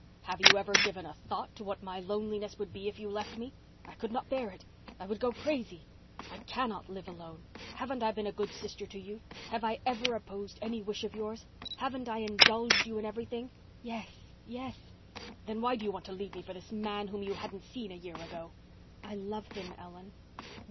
Have you ever given a thought to what my loneliness would be here if you left me? I could not bear it—I would go crazy. I cannot live alone. Haven't I been a good sister to you? Have I ever opposed any wish of yours? Haven't I indulged you in everything?" "Yes—yes." "Then why do you want to leave me for this man whom you hadn't seen a year ago?" "I love him, Ellen."